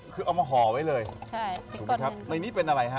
คือเอามาห่อไว้เลยถูกไหมครับในนี้เป็นอะไรฮะ